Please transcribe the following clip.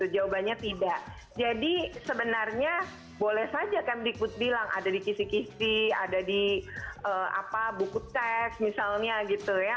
jawabannya tidak jadi sebenarnya boleh saja kemdikbud bilang ada di kisi kisi ada di buku teks misalnya gitu ya